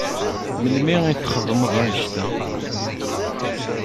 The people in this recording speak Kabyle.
Melmi i txedmeḍ annect-a?